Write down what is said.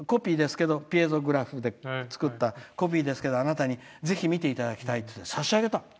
ピエゾグラフで作ったコピーですがあなたにぜひ見ていただきたいって差し上げた。